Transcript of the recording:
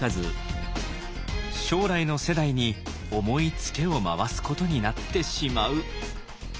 将来の世代に重いツケを回すことになってしまう。